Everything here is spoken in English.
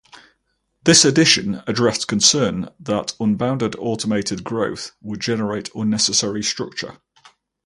This addition addressed concern that unbounded automated growth would generate unnecessary structure.